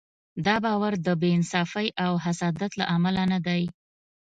دا باور د بې انصافۍ او حسادت له امله نه دی.